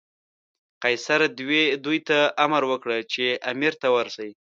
قیصر دوی ته امر وکړ چې امیر ته ورسي.